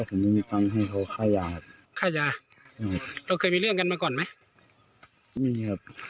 ผมไม่มีตังค์ให้เขาค่ายาครับค่ายาอืมเราเคยมีเรื่องกันมาก่อนไหมมีครับ